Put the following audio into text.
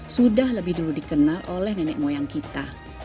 sudah lebih dulu dikenal oleh nenek moyang kita